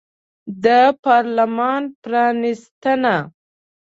د پارلمان پرانیستنه